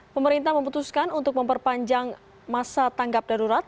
pemerintah memutuskan untuk memperpanjang masa tanggap darurat